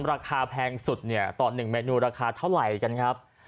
ราคาแพงสุดต่อ๑เมนูราคาเท่าไหร่นะครับ